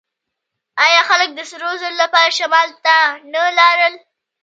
آیا خلک د سرو زرو لپاره شمال ته نه لاړل؟